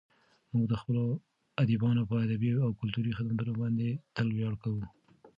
موږ د خپلو ادیبانو په ادبي او کلتوري خدمتونو باندې تل ویاړ کوو.